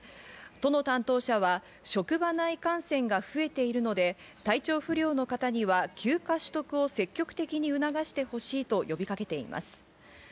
都の担当者は職場内感染が増えているので、体調不良の方には休暇取得を積極的に促してほしいと呼びかけています。